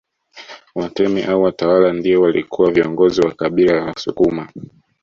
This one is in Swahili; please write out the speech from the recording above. Watemi au watawala ndio walikuwa viongozi wa kabila la Wasukuma